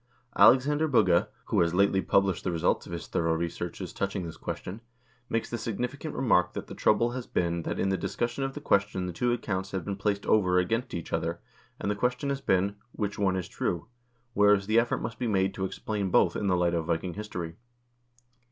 Alexander Bugge, who has lately published the results of his thorough researches touching this question, makes the significant remark that the trouble has been that in the discussion of the question the two accounts have been placed over against each other, and the question has been, "which one is true?" whereas the effort must be made to explain both in the light of Viking history.